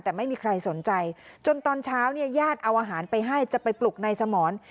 แต่ไม่มีใครสนใจจนตอนเช้าเนี่ยญาติเอาอาหารไปให้จะไปปลุกในสมร